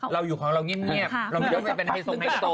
เราอยู่ของเรานิ่มเงียบ